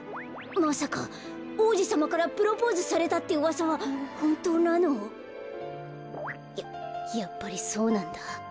まさかおうじさまからプロポーズされたってうわさはほんとうなの？ややっぱりそうなんだ。